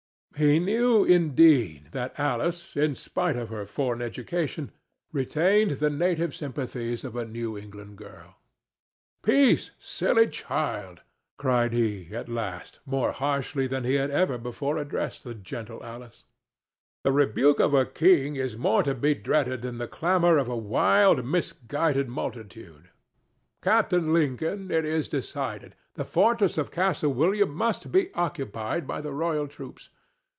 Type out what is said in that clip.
He knew, indeed, that Alice, in spite of her foreign education, retained the native sympathies of a New England girl. "Peace, silly child!" cried he, at last, more harshly than he had ever before addressed the gentle Alice. "The rebuke of a king; is more to be dreaded than the clamor of a wild, misguided multitude.—Captain Lincoln, it is decided: the fortress of Castle William must be occupied by the royal troops.